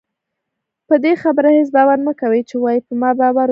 پدې خبره هېڅ باور مکوئ چې وايي په ما باور وکړه